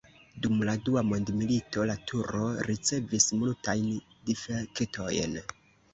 Dum la Dua mondmilito la turo ricevis multajn difektojn.